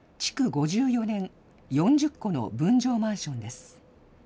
５４年４０戸の分譲マンションです。